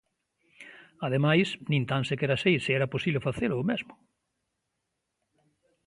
Ademais, nin tan sequera sei se era posible facelo eu mesmo.